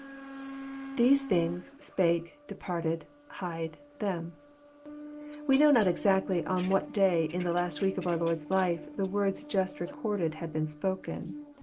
IThese things.,. spake...departed,..hid€,.. them,'] We know not exactly on what day in the last week of our Lord's life the words just recorded had been spoken.